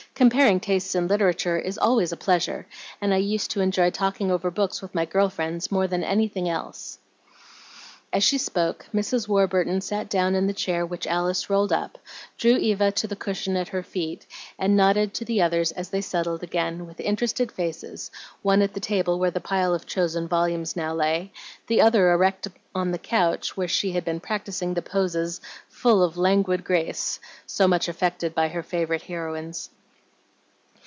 Comparing tastes in literature is always a pleasure, and I used to enjoy talking over books with my girl friends more than anything else." As she spoke, Mrs. Warburton sat down in the chair which Alice rolled up, drew Eva to the cushion at her feet, and nodded to the others as they settled again, with interested faces, one at the table where the pile of chosen volumes now lay, the other erect upon the couch where she had been practising the poses "full of languid grace," so much affected by her favorite heroines.